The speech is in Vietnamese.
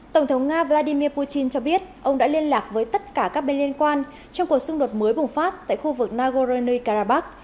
tổng thống nga vladimir putin cho biết ông đã liên lạc với tất cả các bên liên quan trong cuộc xung đột mới bùng phát tại khu vực nagorno karabakh